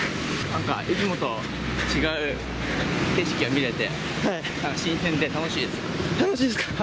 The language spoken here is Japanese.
なんかいつもと違う景色が見れて、新鮮で楽しいです。